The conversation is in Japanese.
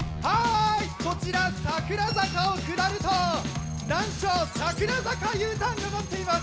こちら桜坂を下ると、難所・桜坂Ｕターンになっています。